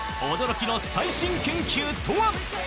驚きの最新研究とは。